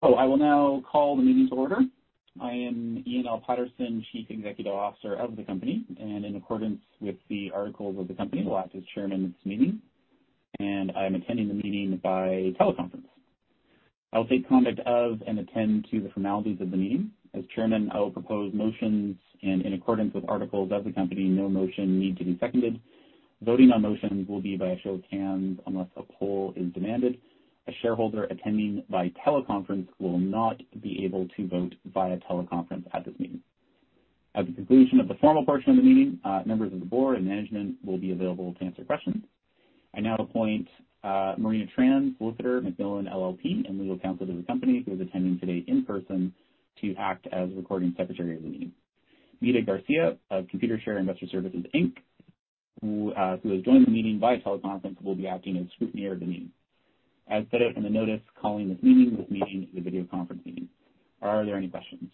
I will now call the meeting to order. I am Ian L. Paterson, Chief Executive Officer of the company, and in accordance with the articles of the company, will act as Chairman of this meeting, and I am attending the meeting by teleconference. I will take cognized of and attend to the formalities of the meeting. As Chairman, I will propose motions, and in accordance with articles of the company, no motion need to be seconded. Voting on motions will be by a show of hands unless a poll is demanded. A shareholder attending by teleconference will not be able to vote via teleconference at this meeting. At the conclusion of the formal portion of the meeting, members of the board and management will be available to answer questions. I now appoint Marina Tran, solicitor, McMillan LLP, and legal counsel to the company, who is attending today in person, to act as recording secretary of the meeting. Mita Garcia of Computershare Investor Services Inc. who has joined the meeting by teleconference, will be acting as scrutineer of the meeting. As set out in the notice calling this meeting, this meeting is a video conference meeting. Are there any questions?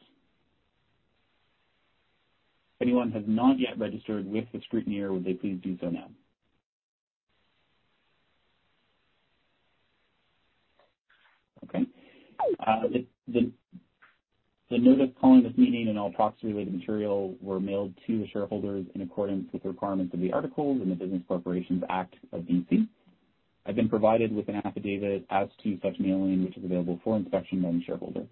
If anyone has not yet registered with the scrutineer, would they please do so now? Okay. The notice calling this meeting and all proxy-related material were mailed to the shareholders in accordance with the requirements of the articles in the Business Corporations Act of BC. I've been provided with an affidavit as to such mailing, which is available for inspection by any shareholder.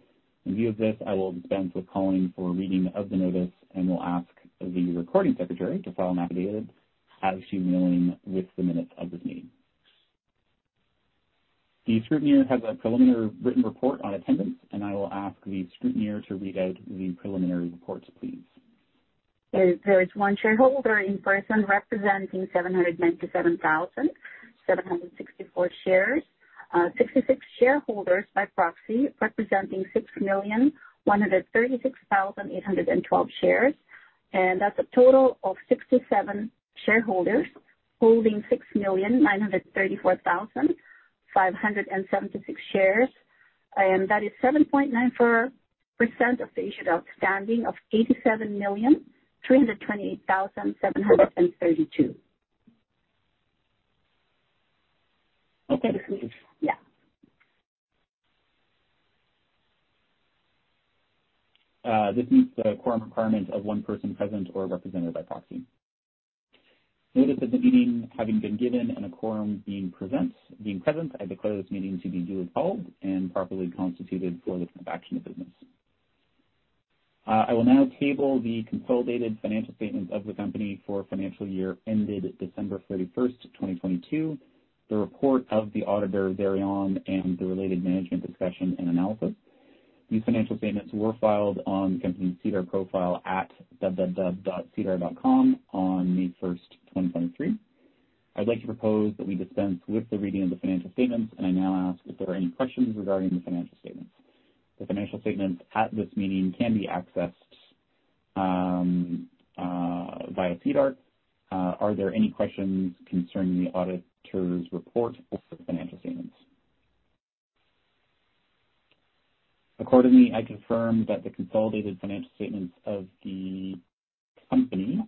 In lieu of this, I will dispense with calling for a reading of the notice and will ask the recording secretary to file an affidavit as to mailing with the minutes of this meeting. The scrutineer has a preliminary written report on attendance, and I will ask the scrutineer to read out the preliminary reports, please. There is one shareholder in person representing 797,764 shares. 66 shareholders by proxy, representing 6,136,812 shares. That's a total of 67 shareholders holding 6,934,576 shares. That is 7.94% of the issues outstanding of 87,328,732. Okay. Yeah. This meets the quorum requirement of one person present or represented by proxy. Notice of the meeting having been given and a quorum being present, I declare this meeting to be duly called and properly constituted for the transaction of business. I will now table the consolidated financial statements of the company for financial year ended December 31st, 2022, the report of the auditor thereon, and the related management discussion and analysis. These financial statements were filed on the company's SEDAR profile at www.sedar.com on 1 May 2023. I'd like to propose that we dispense with the reading of the financial statements, and I now ask if there are any questions regarding the financial statements. The financial statements at this meeting can be accessed via SEDAR. Are there any questions concerning the auditor's report or the financial statements? Accordingly, I confirm that the consolidated financial statements of the company,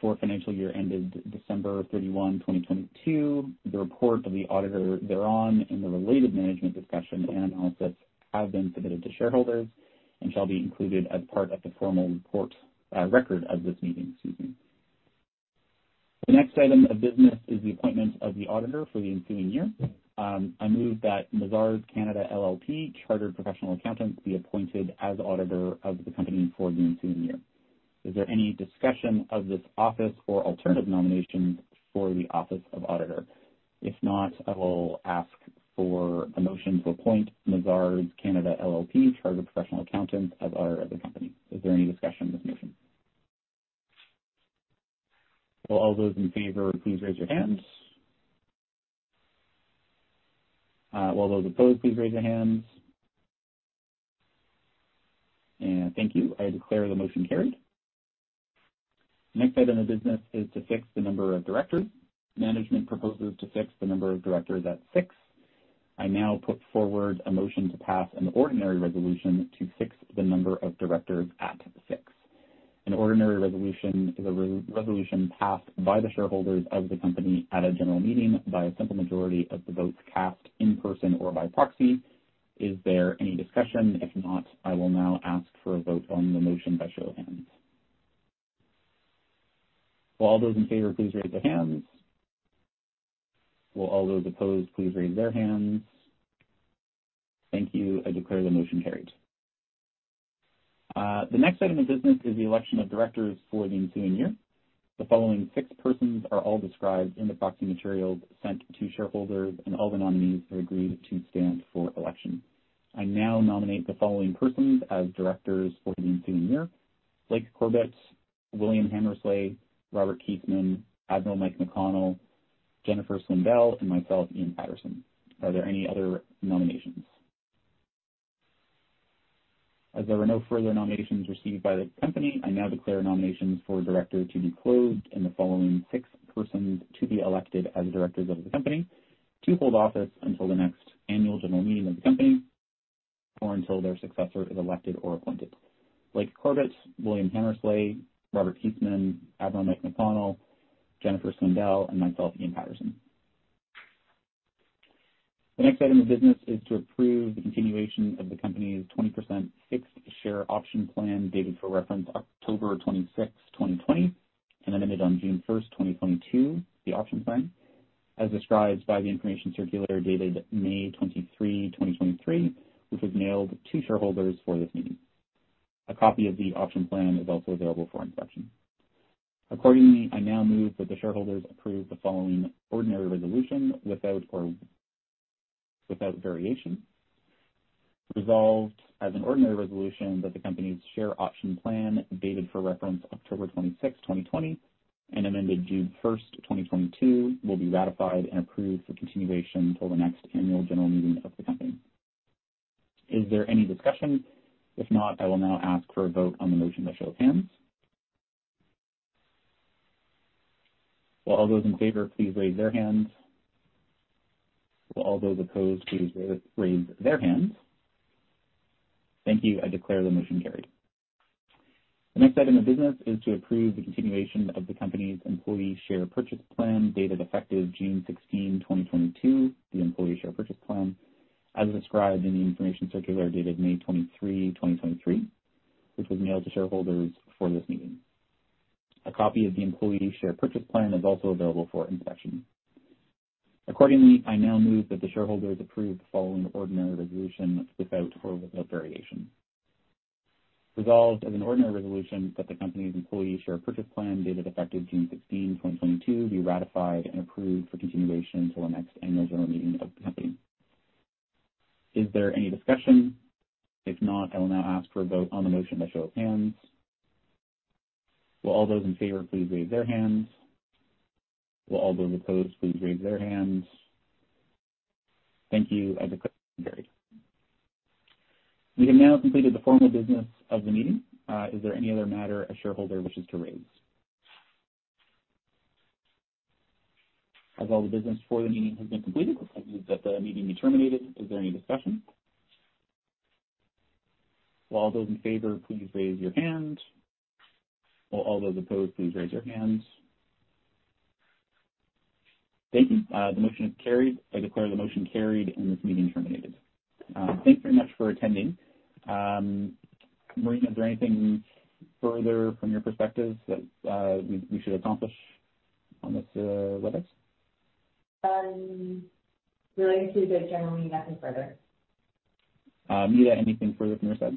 for financial year ended 31 December 2022, the report of the auditor thereon, and the related management discussion and analysis have been submitted to shareholders and shall be included as part of the formal report, record of this meeting. Excuse me. The next item of business is the appointment of the auditor for the ensuing year. I move that Mazars Canada LLP, Chartered Professional Accountants, be appointed as auditor of the company for the ensuing year. Is there any discussion of this office or alternative nominations for the office of auditor? If not, I will ask for a motion to appoint Mazars Canada LLP Chartered Professional Accountants as auditor of the company. Is there any discussion of this motion? Will all those in favor, please raise your hands. Will all those opposed, please raise their hands. Thank you. I declare the motion carried. The next item of business is to fix the number of directors. Management proposes to fix the number of directors at six. I now put forward a motion to pass an ordinary resolution to fix the number of directors at six. An ordinary resolution is a resolution passed by the shareholders of the company at a general meeting by a simple majority of the votes cast, in person or by proxy. Is there any discussion? If not, I will now ask for a vote on the motion by show of hands. Will all those in favor please raise their hands? Will all those opposed please raise their hands? Thank you. I declare the motion carried. The next item of business is the election of directors for the ensuing year. The following six persons are all described in the proxy materials sent to shareholders. All the nominees have agreed to stand for election. I now nominate the following persons as directors for the ensuing year: Blake Corbet, William Hammersley, Robert Keesman, Admiral Mike McConnell, Jennifer Swindell, and myself, Ian Paterson. Are there any other nominations? As there are no further nominations received by the company, I now declare nominations for director to be closed and the following six persons to be elected as directors of the company, to hold office until the next annual general meeting of the company. Or until their successor is elected or appointed. Blake Corbet, William Hammersley, Robert Kiesman, Mike McConnell, Jennifer Swindell, and myself, Ian Paterson. The next item of business is to approve the continuation of the company's 20% fixed share option plan, dated for reference 26 October 2020, and ended on 1 June 2022, the option plan, as described by the information circular dated 23 May 2023, which was mailed to shareholders for this meeting. A copy of the option plan is also available for inspection. Accordingly, I now move that the shareholders approve the following ordinary resolution without or without variation. Resolved as an ordinary resolution that the company's share option plan, dated for reference 26 October 2020, and amended 1 June 2022, will be ratified and approved for continuation till the next annual general meeting of the company. Is there any discussion? If not, I will now ask for a vote on the motion by show of hands. Will all those in favor please raise their hands? Will all those opposed please raise their hands? Thank you. I declare the motion carried. The next item of business is to approve the continuation of the company's employee share purchase plan, dated effective 16 June 2022, the employee share purchase plan, as described in the information circular dated 23 May 2023, which was mailed to shareholders for this meeting. A copy of the employee share purchase plan is also available for inspection. Accordingly, I now move that the shareholders approve the following ordinary resolution without or without variation. Resolved as an ordinary resolution that the company's employee share purchase plan, dated effective 16 June 2022, be ratified and approved for continuation till the next annual general meeting of the company. Is there any discussion? If not, I will now ask for a vote on the motion by show of hands. Will all those in favor please raise their hands? Will all those opposed please raise their hands? Thank you. I declare that carried. We have now completed the formal business of the meeting. Is there any other matter a shareholder wishes to raise? As all the business for the meeting has been completed, I move that the meeting be terminated. Is there any discussion? Will all those in favor please raise your hand? Will all those opposed please raise their hands? Thank you. The motion is carried. I declare the motion carried and this meeting terminated. Thanks very much for attending. Marina, is there anything further from your perspective that we should accomplish on this webcast? related to the general meeting, nothing further. Mita, anything further from your side?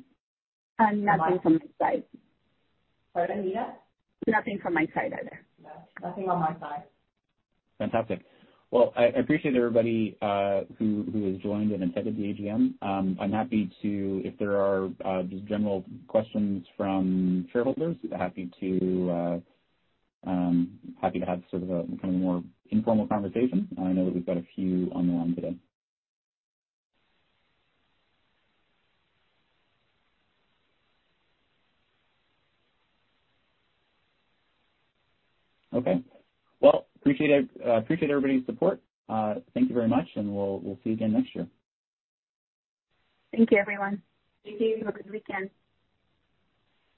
Nothing from my side. Pardon, Mita? Nothing from my side either. No, nothing on my side. Fantastic. Well, I appreciate everybody who has joined and attended the AGM. I'm happy to, if there are just general questions from shareholders, happy to have sort of a more informal conversation. I know that we've got a few on the line today. Okay. Well, appreciate it. Appreciate everybody's support. Thank you very much, and we'll see you again next year. Thank you, everyone. Thank you. Have a good weekend.